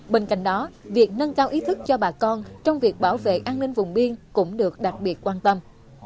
bên cạnh đó việc nâng cao ý thức cho bà con trong việc bảo vệ an ninh vùng biên cũng được đặc biệt quan tâm